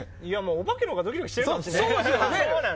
お化けのほうがドキドキしてるかもしれないですね。